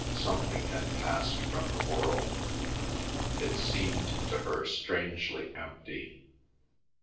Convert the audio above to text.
Something had passed from the world. It seemed to her strangely empty.